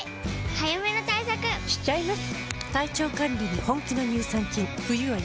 早めの対策しちゃいます。